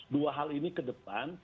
dua hal ini ke depan